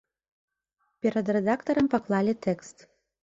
Перад рэдактарам паклалі тэкст.